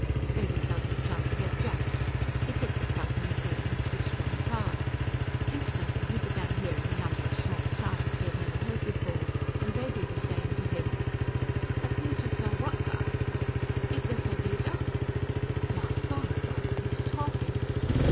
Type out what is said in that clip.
Baby Fuzzy tried to get Jack's. He put the plug in his ear and switched on the power. Instantly he began hearing a number of small sounds he had never heard before, and Baby was saying to him: "He inta sa wa'aka; igga sa geeda?" "Muhgawd, Gus, he's talking!"